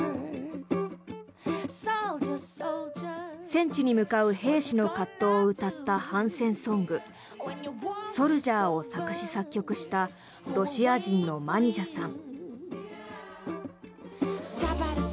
戦地に向かう兵士の葛藤を歌った反戦ソング「ソルジャー」を作詞作曲したロシア人のマニジャさん。